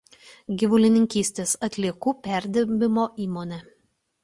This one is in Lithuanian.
Gyvulininkystės atliekų perdirbimo įmonė.